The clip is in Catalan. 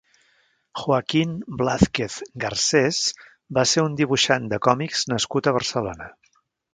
Joaquín Blázquez Garcés va ser un dibuixant de còmics nascut a Barcelona.